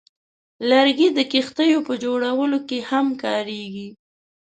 لرګی د کښتیو په جوړولو کې هم کارېږي.